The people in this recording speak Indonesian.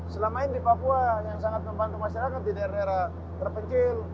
selama ini di papua yang sangat membantu masyarakat di daerah daerah terpencil